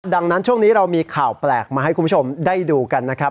ดังนั้นช่วงนี้เรามีข่าวแปลกมาให้คุณผู้ชมได้ดูกันนะครับ